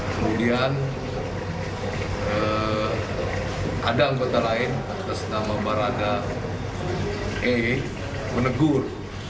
kemudian ada anggota lain bernama barada e menegur